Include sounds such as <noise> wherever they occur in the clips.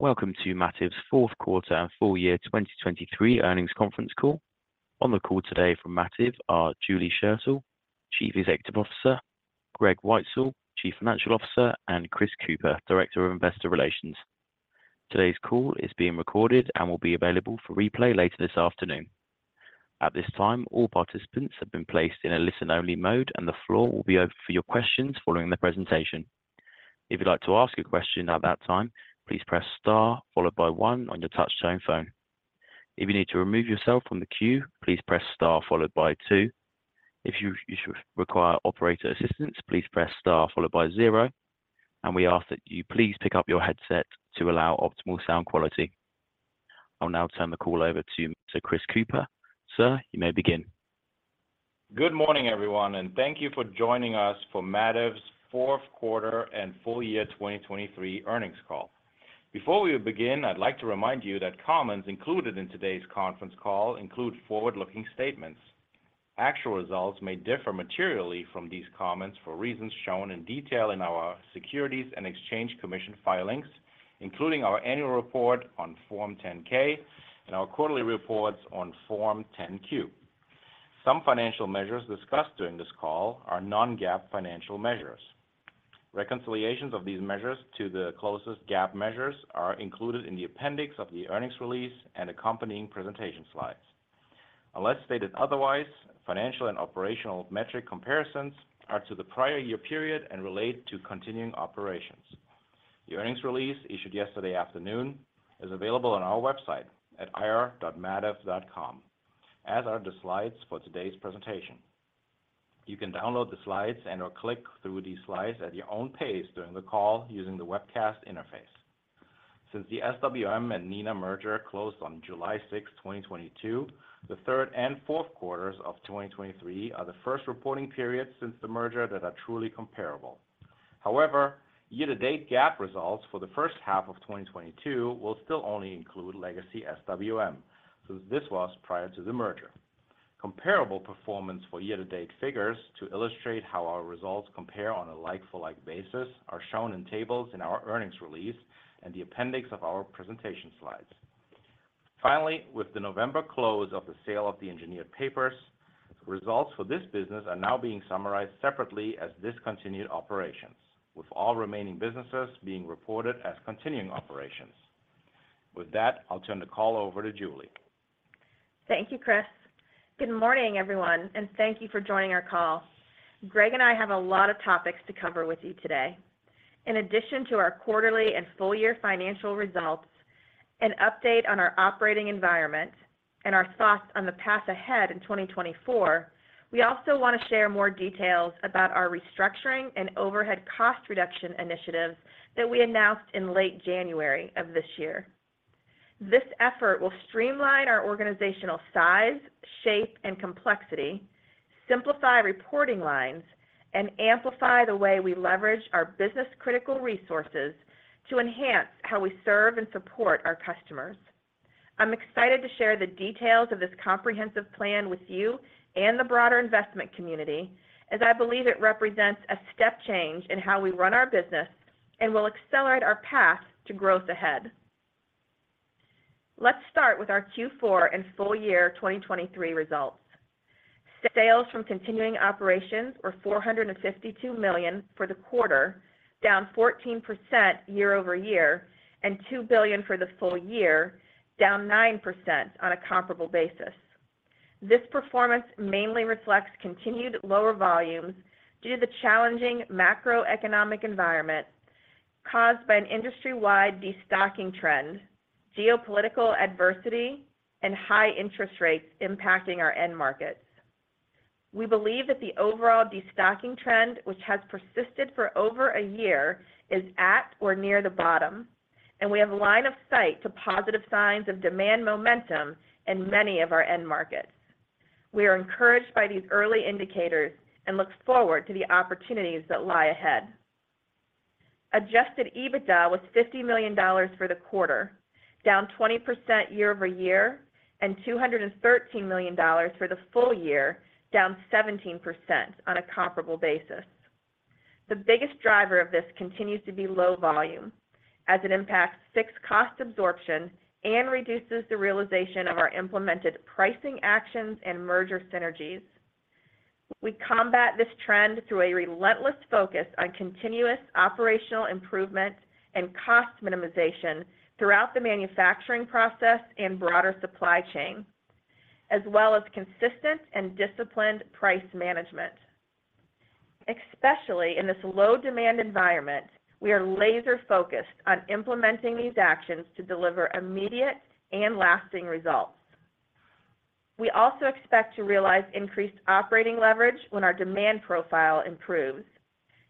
Welcome to Mativ's fourth quarter and full year 2023 earnings conference call. On the call today from Mativ are Julie Schertell, Chief Executive Officer; Greg Weitzel, Chief Financial Officer; and Chris Kuepper, Director of Investor Relations. Today's call is being recorded and will be available for replay later this afternoon. At this time, all participants have been placed in a listen-only mode, and the floor will be open for your questions following the presentation. If you'd like to ask a question at that time, please press star followed by one on your touch-tone phone. If you need to remove yourself from the queue, please press star followed by two. If you require operator assistance, please press star followed by zero, and we ask that you please pick up your headset to allow optimal sound quality. I'll now turn the call over to Mr. Chris Kuepper. Sir, you may begin. Good morning, everyone, and thank you for joining us for Mativ's fourth quarter and full year 2023 earnings call. Before we begin, I'd like to remind you that comments included in today's conference call include forward-looking statements. Actual results may differ materially from these comments for reasons shown in detail in our Securities and Exchange Commission filings, including our annual report on Form 10-K and our quarterly reports on Form 10-Q. Some financial measures discussed during this call are non-GAAP financial measures. Reconciliations of these measures to the closest GAAP measures are included in the appendix of the earnings release and accompanying presentation slides. Unless stated otherwise, financial and operational metric comparisons are to the prior year period and relate to continuing operations. The earnings release issued yesterday afternoon is available on our website at ir.mativ.com, as are the slides for today's presentation. You can download the slides and/or click through these slides at your own pace during the call using the webcast interface. Since the SWM and Neenah merger closed on July 6, 2022, the third and fourth quarters of 2023 are the first reporting periods since the merger that are truly comparable. However, year-to-date GAAP results for the first half of 2022 will still only include legacy SWM, since this was prior to the merger. Comparable performance for year-to-date figures to illustrate how our results compare on a like-for-like basis are shown in tables in our earnings release and the appendix of our presentation slides. Finally, with the November close of the sale of the Engineered Papers, results for this business are now being summarized separately as discontinued operations, with all remaining businesses being reported as continuing operations. With that, I'll turn the call over to Julie. Thank you, Chris. Good morning, everyone, and thank you for joining our call. Greg and I have a lot of topics to cover with you today. In addition to our quarterly and full-year financial results, an update on our operating environment, and our thoughts on the path ahead in 2024, we also want to share more details about our restructuring and overhead cost reduction initiatives that we announced in late January of this year. This effort will streamline our organizational size, shape, and complexity, simplify reporting lines, and amplify the way we leverage our business-critical resources to enhance how we serve and support our customers. I'm excited to share the details of this comprehensive plan with you and the broader investment community, as I believe it represents a step change in how we run our business and will accelerate our path to growth ahead. Let's start with our Q4 and full year 2023 results. Sales from continuing operations were $452 million for the quarter, down 14% year-over-year, and $2 billion for the full year, down 9% on a comparable basis. This performance mainly reflects continued lower volumes due to the challenging macroeconomic environment caused by an industry-wide destocking trend, geopolitical adversity, and high interest rates impacting our end markets. We believe that the overall destocking trend, which has persisted for over a year, is at or near the bottom, and we have a line of sight to positive signs of demand momentum in many of our end markets. We are encouraged by these early indicators and look forward to the opportunities that lie ahead. Adjusted EBITDA was $50 million for the quarter, down 20% year-over-year, and $213 million for the full year, down 17% on a comparable basis. The biggest driver of this continues to be low volume, as it impacts fixed cost absorption and reduces the realization of our implemented pricing actions and merger synergies. We combat this trend through a relentless focus on continuous operational improvement and cost minimization throughout the manufacturing process and broader supply chain, as well as consistent and disciplined price management. Especially in this low-demand environment, we are laser-focused on implementing these actions to deliver immediate and lasting results. We also expect to realize increased operating leverage when our demand profile improves.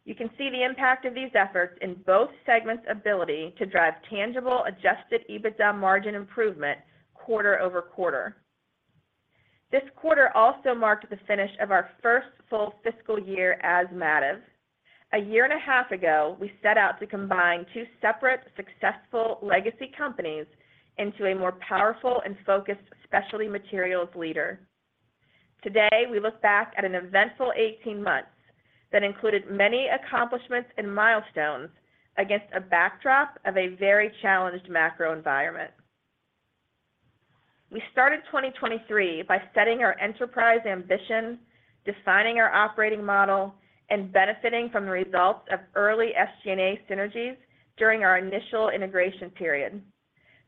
You can see the impact of these efforts in both segments' ability to drive tangible Adjusted EBITDA margin improvement quarter-over-quarter. This quarter also marked the finish of our first full fiscal year as Mativ. A year and a half ago, we set out to combine two separate successful legacy companies into a more powerful and focused specialty materials leader. Today, we look back at an eventful 18 months that included many accomplishments and milestones against a backdrop of a very challenged macro environment. We started 2023 by setting our enterprise ambition, defining our operating model, and benefiting from the results of early SG&A synergies during our initial integration period.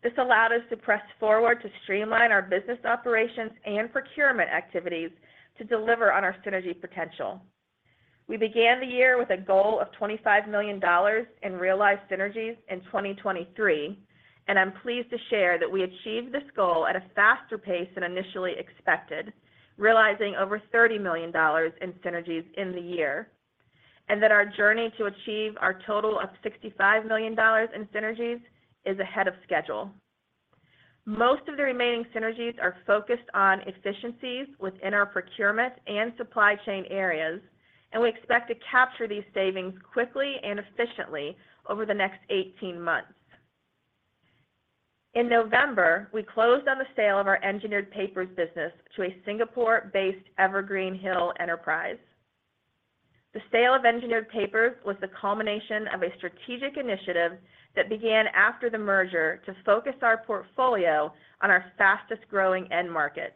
This allowed us to press forward to streamline our business operations and procurement activities to deliver on our synergy potential. We began the year with a goal of $25 million in realized synergies in 2023, and I'm pleased to share that we achieved this goal at a faster pace than initially expected, realizing over $30 million in synergies in the year, and that our journey to achieve our total of $65 million in synergies is ahead of schedule. Most of the remaining synergies are focused on efficiencies within our procurement and supply chain areas, and we expect to capture these savings quickly and efficiently over the next 18 months. In November, we closed on the sale of our engineered papers business to a Singapore-based Evergreen Hill Enterprise. The sale of engineered papers was the culmination of a strategic initiative that began after the merger to focus our portfolio on our fastest-growing end markets.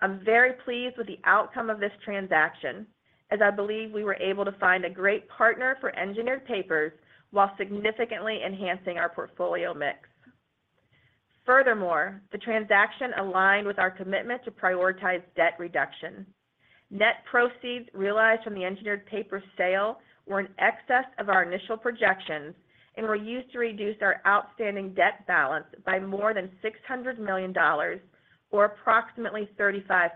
I'm very pleased with the outcome of this transaction, as I believe we were able to find a great partner for engineered papers while significantly enhancing our portfolio mix. Furthermore, the transaction aligned with our commitment to prioritize debt reduction. Net proceeds realized from the engineered papers sale were in excess of our initial projections and were used to reduce our outstanding debt balance by more than $600 million, or approximately 35%.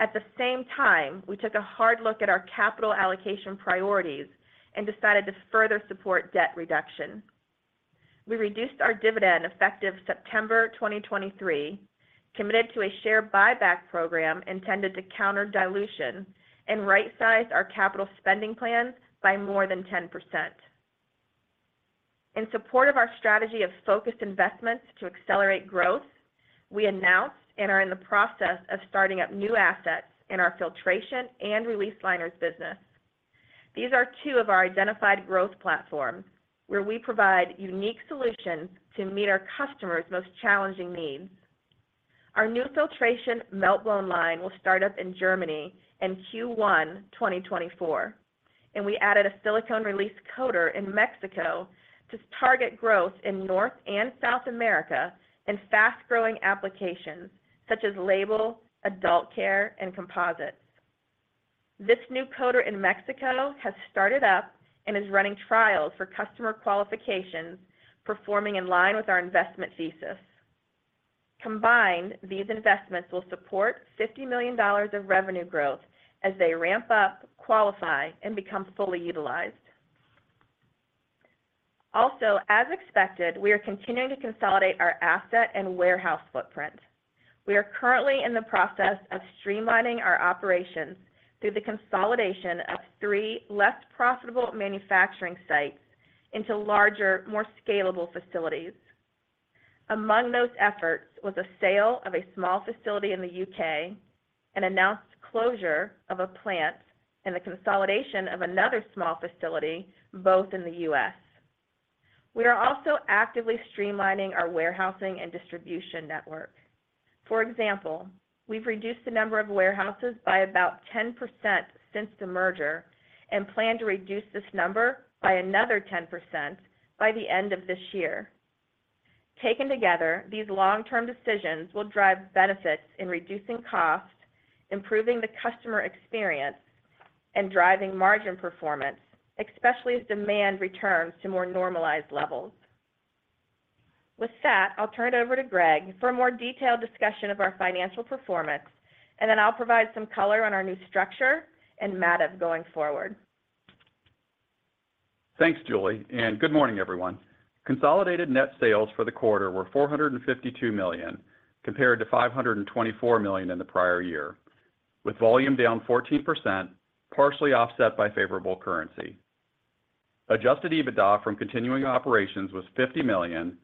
At the same time, we took a hard look at our capital allocation priorities and decided to further support debt reduction. We reduced our dividend effective September 2023, committed to a share buyback program intended to counter dilution, and right-sized our capital spending plans by more than 10%. In support of our strategy of focused investments to accelerate growth, we announced and are in the process of starting up new assets in our filtration and release liners business. These are two of our identified growth platforms, where we provide unique solutions to meet our customers' most challenging needs. Our new filtration meltblown line will start up in Germany in Q1 2024, and we added a silicone release coater in Mexico to target growth in North and South America in fast-growing applications such as label, adult care, and composites. This new coater in Mexico has started up and is running trials for customer qualifications, performing in line with our investment thesis. Combined, these investments will support $50 million of revenue growth as they ramp up, qualify, and become fully utilized. Also, as expected, we are continuing to consolidate our asset and warehouse footprint. We are currently in the process of streamlining our operations through the consolidation of three less profitable manufacturing sites into larger, more scalable facilities. Among those efforts was a sale of a small facility in the U.K., an announced closure of a plant, and the consolidation of another small facility both in the U.S. We are also actively streamlining our warehousing and distribution network. For example, we've reduced the number of warehouses by about 10% since the merger and plan to reduce this number by another 10% by the end of this year. Taken together, these long-term decisions will drive benefits in reducing cost, improving the customer experience, and driving margin performance, especially as demand returns to more normalized levels. With that, I'll turn it over to Greg for a more detailed discussion of our financial performance, and then I'll provide some color on our new structure and Mativ going forward. Thanks, Julie, and good morning, everyone. Consolidated net sales for the quarter were $452 million compared to $524 million in the prior year, with volume down 14%, partially offset by favorable currency. Adjusted EBITDA from continuing operations was $50 million,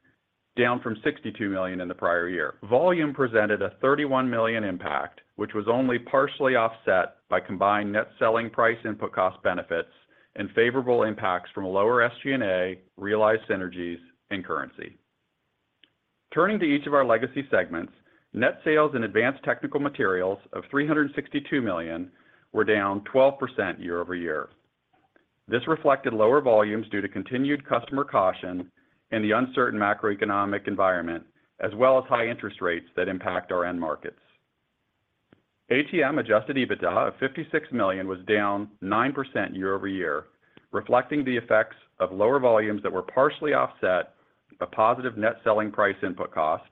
down from $62 million in the prior year. Volume presented a $31 million impact, which was only partially offset by combined net selling price input cost benefits and favorable impacts from lower SG&A, realized synergies, and currency. Turning to each of our legacy segments, net sales in Advanced Technical Materials of $362 million were down 12% year-over-year. This reflected lower volumes due to continued customer caution and the uncertain macroeconomic environment, as well as high interest rates that impact our end markets. ATM adjusted EBITDA of $56 million was down 9% year-over-year, reflecting the effects of lower volumes that were partially offset by positive net selling price input cost,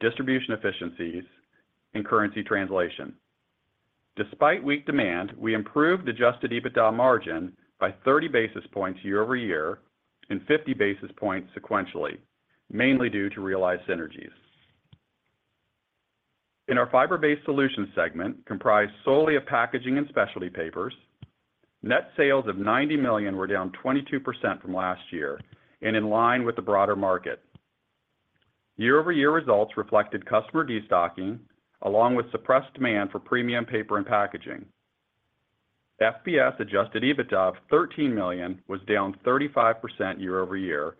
distribution efficiencies, and currency translation. Despite weak demand, we improved adjusted EBITDA margin by 30 basis points year-over-year and 50 basis points sequentially, mainly due to realized synergies. In our Fiber-Based Solutions segment, comprised solely of packaging and specialty papers, net sales of $90 million were down 22% from last year and in line with the broader market. Year-over-year results reflected customer destocking along with suppressed demand for premium paper and packaging. FBS adjusted EBITDA of $13 million was down 35% year-over-year.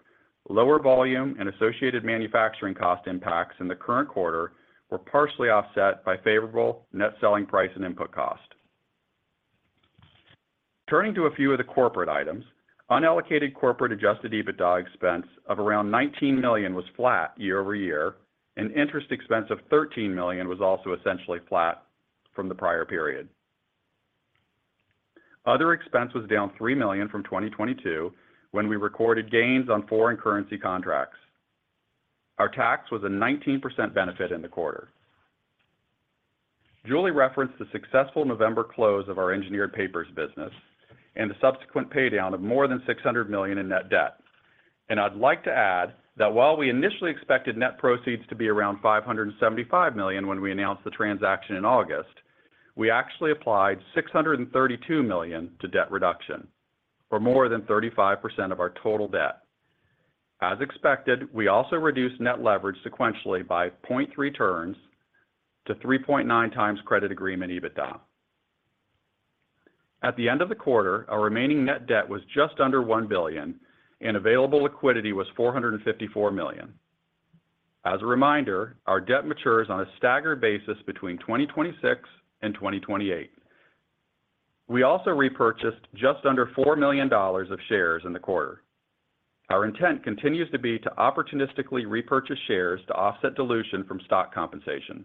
Lower volume and associated manufacturing cost impacts in the current quarter were partially offset by favorable net selling price and input cost. Turning to a few of the corporate items, unallocated corporate adjusted EBITDA expense of around $19 million was flat year-over-year, and interest expense of $13 million was also essentially flat from the prior period. Other expense was down $3 million from 2022 when we recorded gains on foreign currency contracts. Our tax was a 19% benefit in the quarter. Julie referenced the successful November close of our engineered papers business and the subsequent paydown of more than $600 million in net debt. I'd like to add that while we initially expected net proceeds to be around $575 million when we announced the transaction in August, we actually applied $632 million to debt reduction, or more than 35% of our total debt. As expected, we also reduced net leverage sequentially by 0.3 turns to 3.9 times credit agreement EBITDA. At the end of the quarter, our remaining net debt was just under $1 billion, and available liquidity was $454 million. As a reminder, our debt matures on a staggered basis between 2026 and 2028. We also repurchased just under $4 million of shares in the quarter. Our intent continues to be to opportunistically repurchase shares to offset dilution from stock compensation.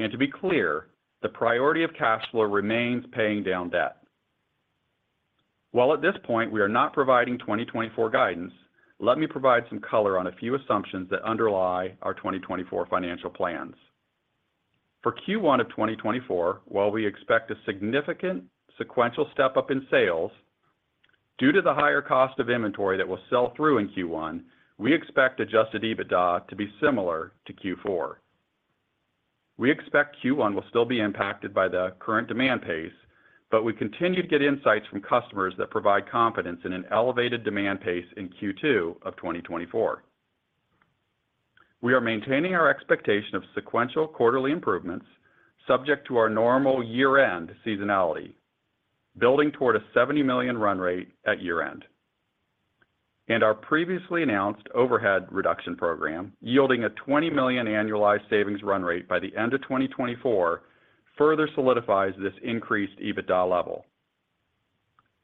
And to be clear, the priority of cash flow remains paying down debt. While at this point we are not providing 2024 guidance, let me provide some color on a few assumptions that underlie our 2024 financial plans. For Q1 of 2024, while we expect a significant sequential step up in sales, due to the higher cost of inventory that will sell through in Q1, we expect adjusted EBITDA to be similar to Q4. We expect Q1 will still be impacted by the current demand pace, but we continue to get insights from customers that provide confidence in an elevated demand pace in Q2 of 2024. We are maintaining our expectation of sequential quarterly improvements subject to our normal year-end seasonality, building toward a $70 million run rate at year-end. Our previously announced overhead reduction program, yielding a $20 million annualized savings run rate by the end of 2024, further solidifies this increased EBITDA level.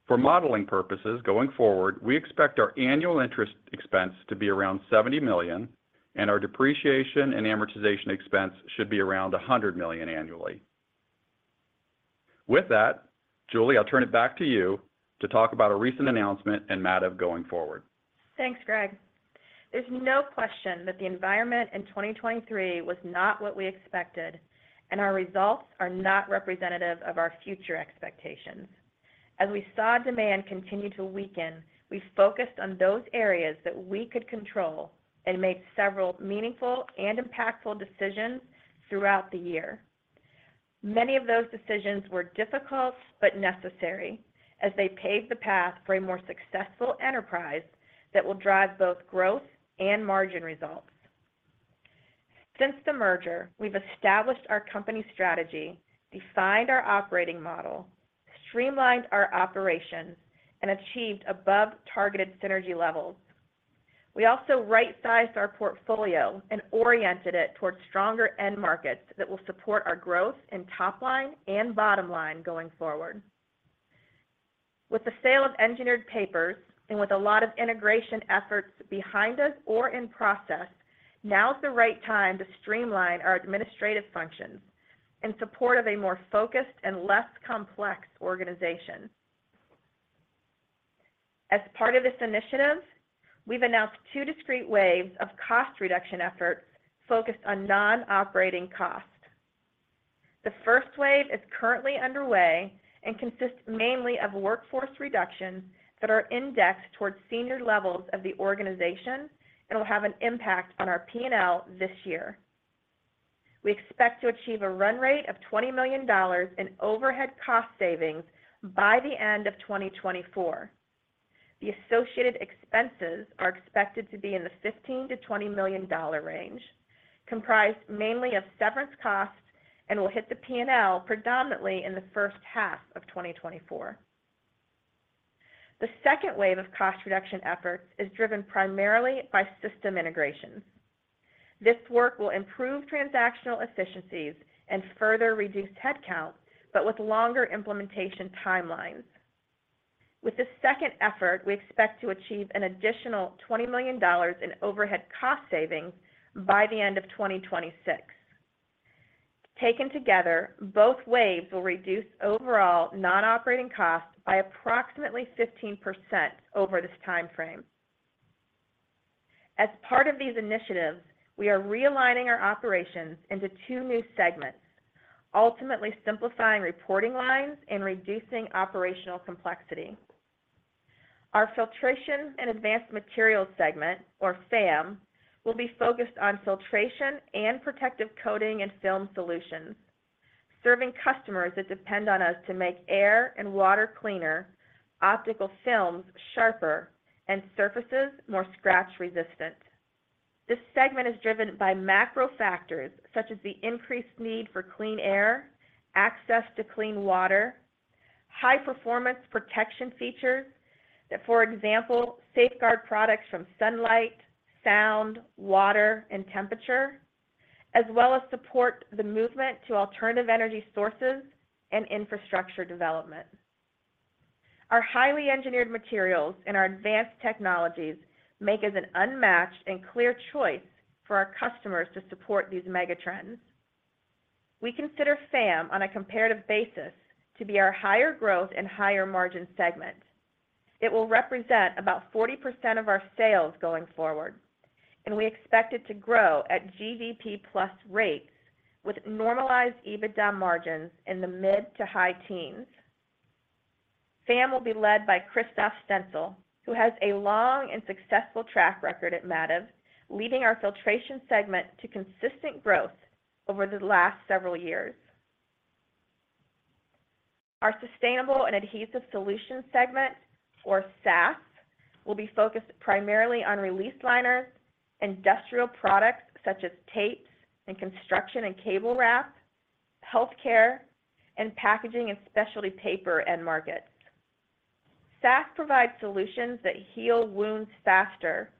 For modeling purposes going forward, we expect our annual interest expense to be around $70 million, and our depreciation and amortization expense should be around $100 million annually. With that, Julie, I'll turn it back to you to talk about a recent announcement and Mativ going forward. Thanks, Greg. There's no question that the environment in 2023 was not what we expected, and our results are not representative of our future expectations. As we saw demand continue to weaken, we focused on those areas that we could control and made several meaningful and impactful decisions throughout the year. Many of those decisions were difficult but necessary as they paved the path for a more successful enterprise that will drive both growth and margin results. Since the merger, we've established our company strategy, defined our operating model, streamlined our operations, and achieved above-targeted synergy levels. We also right-sized our portfolio and oriented it towards stronger end markets that will support our growth in top line and bottom line going forward. With the sale of engineered papers and with a lot of integration efforts behind us or in process, now is the right time to streamline our administrative functions in support of a more focused and less complex organization. As part of this initiative, we've announced two discrete waves of cost reduction efforts focused on non-operating cost. The first wave is currently underway and consists mainly of workforce reductions that are indexed towards senior levels of the organization and will have an impact on our P&L this year. We expect to achieve a run rate of $20 million in overhead cost savings by the end of 2024. The associated expenses are expected to be in the $15-$20 million range, comprised mainly of severance costs, and will hit the P&L predominantly in the first half of 2024. The second wave of cost reduction efforts is driven primarily by system integrations. This work will improve transactional efficiencies and further reduce headcount, but with longer implementation timelines. With this second effort, we expect to achieve an additional $20 million in overhead cost savings by the end of 2026. Taken together, both waves will reduce overall non-operating costs by approximately 15% over this time frame. As part of these initiatives, we are realigning our operations into two new segments, ultimately simplifying reporting lines and reducing operational complexity. Our Filtration and Advanced Materials segment, or FAM, will be focused on filtration and protective coating and film solutions, serving customers that depend on us to make air and water cleaner, optical films sharper, and surfaces more scratch-resistant. This segment is driven by macro factors such as the increased need for clean air, access to clean water, high-performance protection features that, for example, safeguard products from sunlight, sound, water, and temperature, as well as support the movement to alternative energy sources and infrastructure development. Our highly engineered materials and our advanced technologies make it an unmatched and clear choice for our customers to support these megatrends. We consider FAM on a comparative basis to be our higher growth and higher margin segment. It will represent about 40% of our sales going forward, and we expect it to grow at GDP+ rates with normalized EBITDA margins in the mid- to high-teens. FAM will be led by Christoph Stenzel, who has a long and successful track record at Mativ, leading our filtration segment to consistent growth over the last several years. Our Sustainable and Adhesive Solutions segment, or SAS, will be focused primarily on release liners, industrial products such as tapes and construction and cable wrap, healthcare, and packaging and specialty paper end markets. SAS provides solutions that heal wounds faster,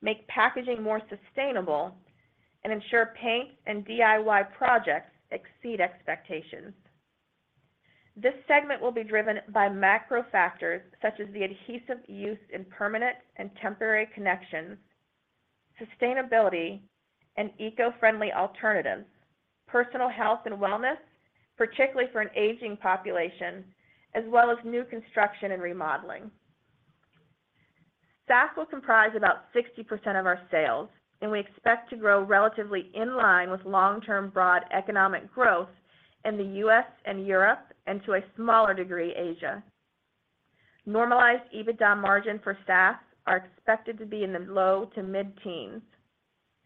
make packaging more sustainable, and ensure paints and DIY projects exceed expectations. This segment will be driven by macro factors such as the adhesive use in permanent and temporary connections, sustainability, and eco-friendly alternatives, personal health and wellness, particularly for an aging population, as well as new construction and remodeling. SAS will comprise about 60% of our sales, and we expect to grow relatively in line with long-term broad economic growth in the U.S. and Europe and, to a smaller degree, Asia. Normalized EBITDA margin for SAS are expected to be in the low to mid-teens.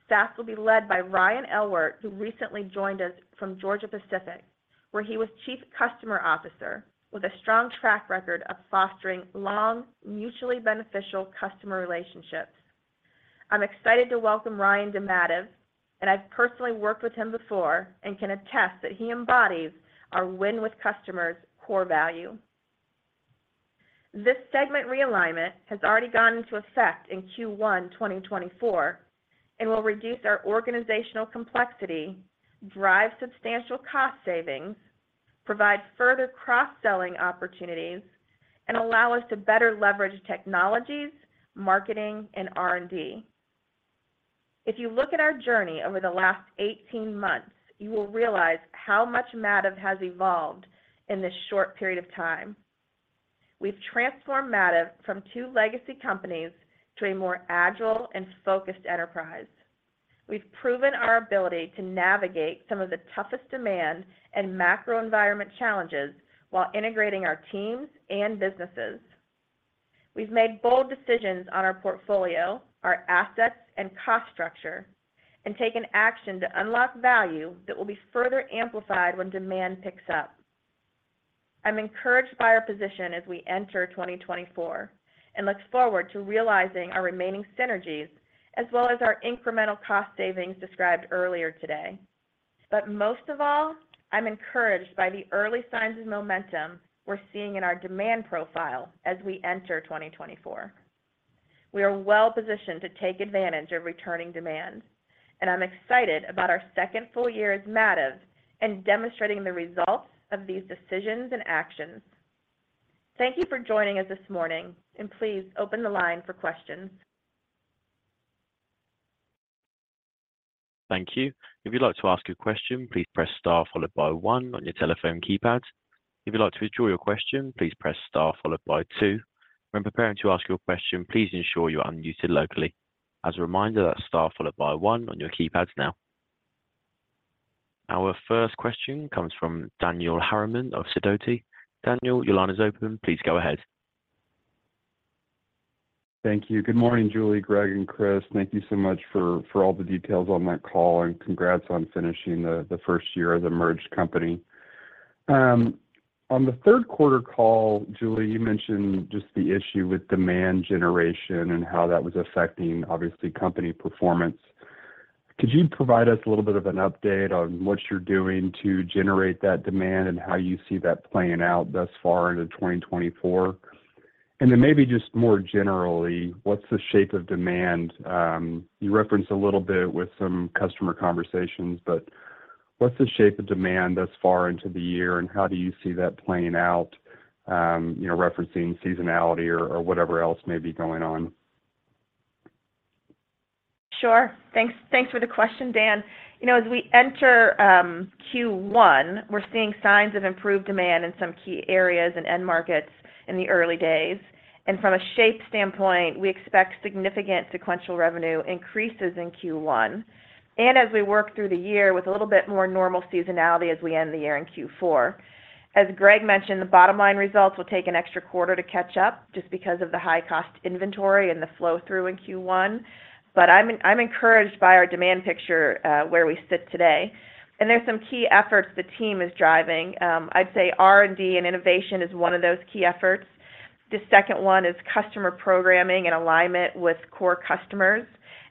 SAS will be led by Ryan Elwart, who recently joined us from Georgia-Pacific, where he was Chief Customer Officer with a strong track record of fostering long, mutually beneficial customer relationships. I'm excited to welcome Ryan to Mativ, and I've personally worked with him before and can attest that he embodies our win-with-customers core value. This segment realignment has already gone into effect in Q1 2024 and will reduce our organizational complexity, drive substantial cost savings, provide further cross-selling opportunities, and allow us to better leverage technologies, marketing, and R&D. If you look at our journey over the last 18 months, you will realize how much Mativ has evolved in this short period of time. We've transformed Mativ from two legacy companies to a more agile and focused enterprise. We've proven our ability to navigate some of the toughest demand and macroenvironment challenges while integrating our teams and businesses. We've made bold decisions on our portfolio, our assets, and cost structure, and taken action to unlock value that will be further amplified when demand picks up. I'm encouraged by our position as we enter 2024 and look forward to realizing our remaining synergies as well as our incremental cost savings described earlier today. But most of all, I'm encouraged by the early signs of momentum we're seeing in our demand profile as we enter 2024. We are well positioned to take advantage of returning demand, and I'm excited about our second full year as Mativ and demonstrating the results of these decisions and actions. Thank you for joining us this morning, and please open the line for questions. Thank you. If you'd like to ask a question, please press star followed by one on your telephone keypad. If you'd like to withdraw your question, please press star followed by two. When preparing to ask your question, please ensure you are unmuted locally. As a reminder, that's star followed by one on your keypads now. Our first question comes from Daniel Harriman of Sidoti. Daniel, your line is open. Please go ahead. Thank you. Good morning, Julie, Greg, and Chris. Thank you so much for all the details on that call and congrats on finishing the first year as a merged company. On the third-quarter call, Julie, you mentioned just the issue with demand generation and how that was affecting, obviously, company performance. Could you provide us a little bit of an update on what you're doing to generate that demand and how you see that playing out thus far into 2024? And then maybe just more generally, what's the shape of demand? You referenced a little bit with some customer conversations, but what's the shape of demand thus far into the year, and how do you see that playing out, referencing seasonality or whatever else may be going on? Sure. Thanks for the question, Dan. As we enter Q1, we're seeing signs of improved demand in some key areas and end markets in the early days. From a shape standpoint, we expect significant sequential revenue increases in Q1 and as we work through the year with a little bit more normal seasonality as we end the year in Q4. As Greg mentioned, the bottom line results will take an extra quarter to catch up just because of the high-cost inventory and the flow-through in Q1. I'm encouraged by our demand picture where we sit today. There's some key efforts the team is driving. I'd say R&D and innovation is one of those key efforts. The second one is customer programming and alignment with core customers.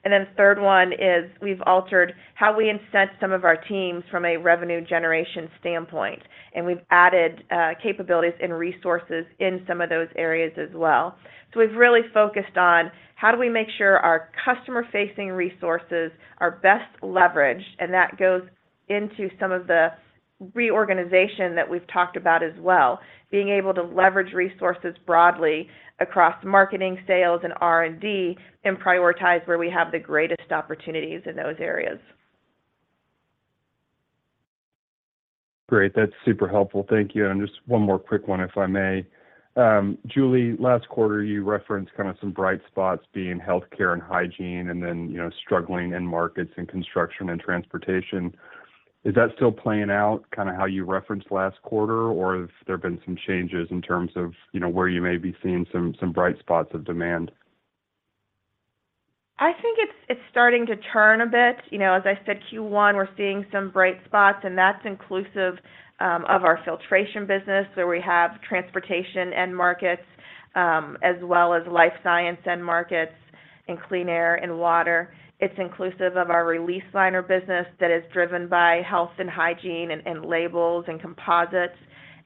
And then the third one is we've altered how we incent some of our teams from a revenue generation standpoint, and we've added capabilities and resources in some of those areas as well. So we've really focused on how do we make sure our customer-facing resources are best leveraged, and that goes into some of the reorganization that we've talked about as well, being able to leverage resources broadly across marketing, sales, and R&D and prioritize where we have the greatest opportunities in those areas. Great. That's super helpful. Thank you. Just one more quick one, if I may. Julie, last quarter, you referenced kind of some bright spots being healthcare and hygiene and then struggling end markets in construction and transportation. Is that still playing out, kind of how you referenced last quarter, or have there been some changes in terms of where you may be seeing some bright spots of demand? I think it's starting to turn a bit. As I said, Q1, we're seeing some bright spots, and that's inclusive of our filtration business where we have transportation end markets as well as life science end markets and clean air and water. It's inclusive of our release liner business that is driven by health and hygiene and labels and composites.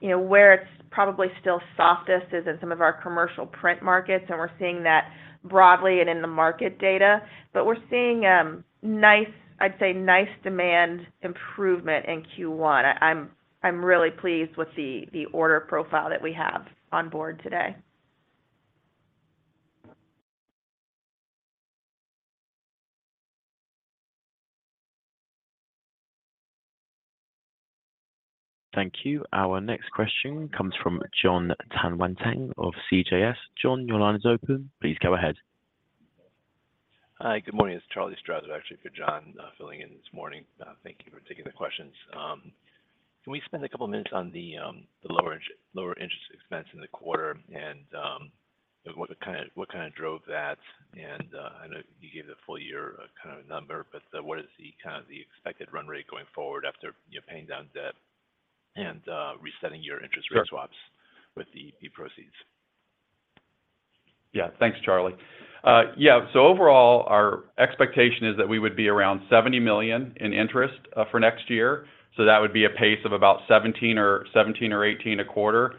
Where it's probably still softest is in some of our commercial print markets, and we're seeing that broadly and in the market data. But we're seeing, I'd say, nice demand improvement in Q1. I'm really pleased with the order profile that we have on board today. Thank you. Our next question comes from Jon Tanwanteng of CJS. Jon, your line is open. Please go ahead. Hi. Good morning. It's Charlie Strauzer, actually, for John filling in this morning. Thank you for taking the questions. Can we spend a couple of minutes on the lower interest expense in the quarter and what kind of drove that? And I know you gave the full year kind of a number, but what is kind of the expected run rate going forward after paying down debt and resetting your interest rate swaps with the EP proceeds? Yeah. Thanks, Charlie. Yeah. So overall, our expectation is that we would be around $70 million in interest for next year. So that would be a pace of about $17 million or $18 million a quarter.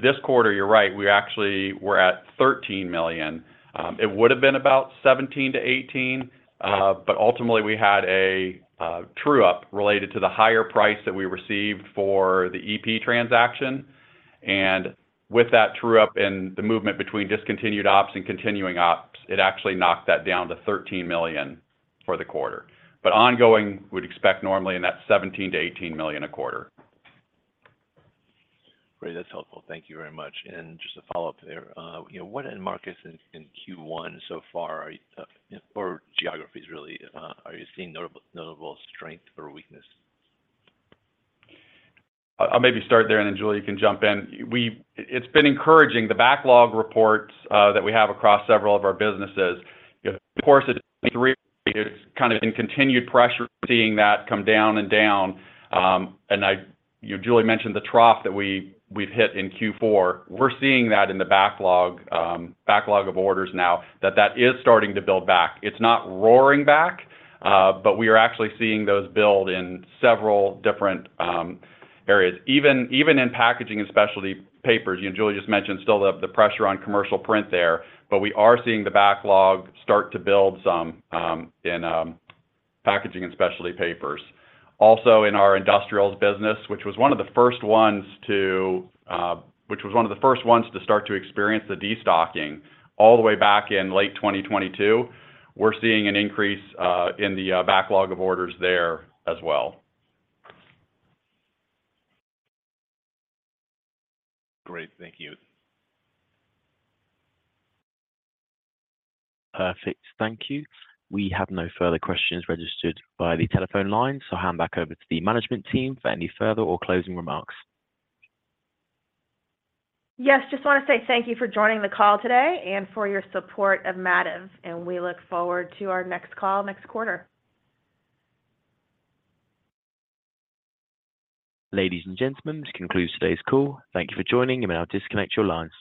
This quarter, you're right, we actually were at $13 million. It would have been about $17 million-$18 million, but ultimately, we had a true-up related to the higher price that we received for the EP transaction. And with that true-up and the movement between discontinued ops and continuing ops, it actually knocked that down to $13 million for the quarter. But ongoing, we'd expect normally in that $17 million-$18 million a quarter. Great. That's helpful. Thank you very much. Just a follow-up there. What end markets in Q1 so far or geographies, really, are you seeing notable strength or weakness? I'll maybe start there, and then Julie, you can jump in. It's been encouraging. The backlog reports that we have across several of our businesses, of course, <audio distortion> kind of in continued pressure, seeing that come down and down. Julie mentioned the trough that we've hit in Q4. We're seeing that in the backlog of orders now, that that is starting to build back. It's not roaring back, but we are actually seeing those build in several different areas, even in packaging and specialty papers. Julie just mentioned still the pressure on commercial print there, but we are seeing the backlog start to build some in packaging and specialty papers. Also, in our industrials business, which was one of the first ones to start to experience the destocking all the way back in late 2022, we're seeing an increase in the backlog of orders there as well. Great. Thank you. Perfect. Thank you. We have no further questions registered by the telephone line, so hand back over to the management team for any further or closing remarks. Yes. Just want to say thank you for joining the call today and for your support of Mativ, and we look forward to our next call next quarter. Ladies and gentlemen, this conclude today's call, thank you for joining, you may now disconnect your lines.